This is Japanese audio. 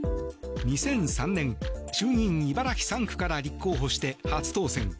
２００３年、衆議院茨城３区から立候補して初当選。